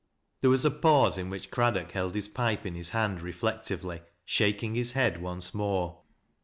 There was a pause, in which Craddock held his pipe in his hand reflectively— shaking his head once more.